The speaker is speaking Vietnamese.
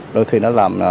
đôi khi nó làm